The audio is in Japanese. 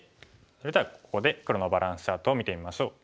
それではここで黒のバランスチャートを見てみましょう。